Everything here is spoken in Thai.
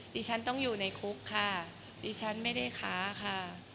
ดิฉันต้องอยู่ในคุกค่ะดิฉันไม่ได้ค้าค่ะ